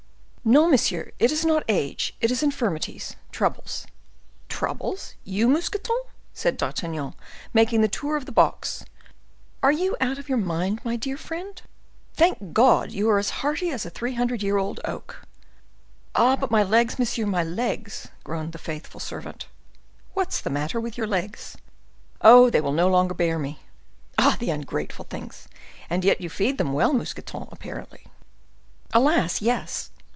"No, monsieur, it is not age; it is infirmities—troubles." "Troubles! you, Mousqueton?" said D'Artagnan, making the tour of the box; "are you out of your mind, my dear friend? Thank God! you are as hearty as a three hundred year old oak." "Ah! but my legs, monsieur, my legs!" groaned the faithful servant. "What's the matter with your legs?" "Oh, they will no longer bear me!" "Ah, the ungrateful things! And yet you feed them well, Mousqueton, apparently." "Alas, yes!